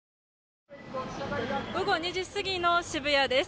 午後２時過ぎの渋谷です。